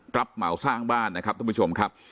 เหมาสร้างบ้านนะครับท่านผู้ชมครับ